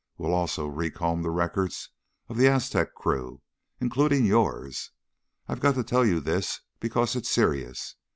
We'll also recomb the records of the Aztec crew, including yours. I've got to tell you this because it's serious.